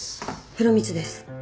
風呂光です。